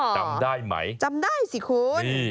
จำได้ไหมจำได้สิคุณ